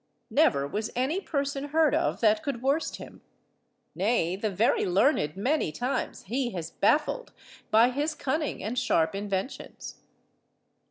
Never was any person heard of that could worst him. Nay, the very learned many times he has baffled by his cunning and sharp inventions.